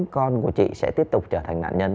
con của chị sẽ tiếp tục trở thành nạn nhân